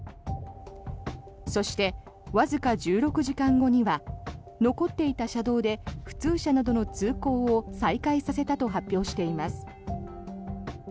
そして、わずか１６時間後には残っていた車道で普通車などの通行を再開させたと発表しています。